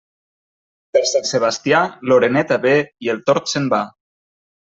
Per Sant Sebastià, l'oreneta ve i el tord se'n va.